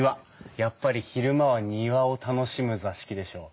やっぱり昼間は庭を楽しむ座敷でしょ。